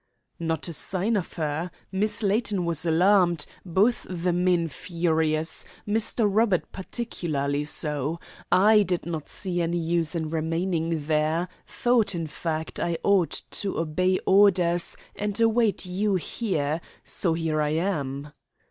"Not a sign of her. Miss Layton was alarmed, both the men furious, Mr. Robert particularly so. I did not see any use in remaining there; thought, in fact, I ought to obey orders and await you here, so here I am."